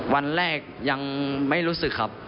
วันแรกยังไม่รู้สึกครับ